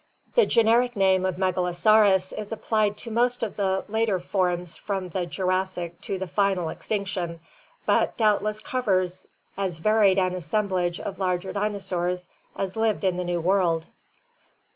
The generic name of Megalosaurus is applied to most of the later forms from the Jurassic to the final extinction, but doubtless covers as varied an assemblage of larger dinosaurs as lived in the New World.